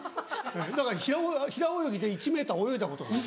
だから平泳ぎで１ｍ泳いだことがない。